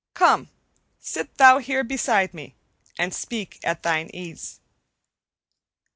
Come, sit thou here beside me, and speak at thine ease."